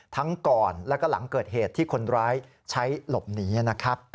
ทั้งก่อนแล้วก็หลังเกิดเหตุที่คนร้ายใช้หลบหนีนะครับ